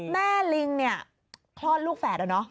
แม่ลิงเนี่ยคลอดลูกแฝดอ่ะเนอะ